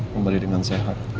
kembali dengan sehat